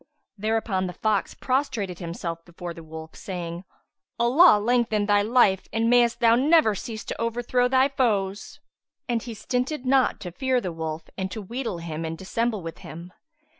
Thereupon the fox prostrated himself before the wolf, saying, "Allah lengthen thy life and mayst thou never cease to overthrow thy foes!" And he stinted not to fear the wolf and to wheedle him and dissemble with him.